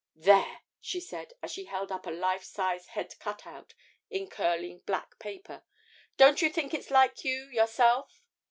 There!' she said, as she held up a life size head cut out in curling black paper; 'don't you think it's like you, yourself?'